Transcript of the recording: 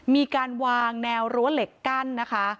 มีการวางแนวรั้วเหล็กกั้นนะคะ